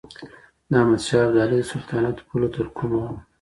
د احمد شاه ابدالي د سلطنت پوله تر کومه وه؟